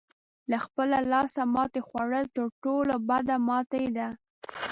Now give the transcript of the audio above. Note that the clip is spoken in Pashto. له خپله لاسه ماتې خوړل تر ټولو بده ماتې ده.